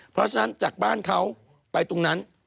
เพราะฉะนั้นจากบ้านเขาไปตรงนั้น